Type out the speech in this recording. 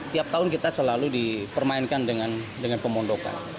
tiap tahun kita selalu dipermainkan dengan pemondokan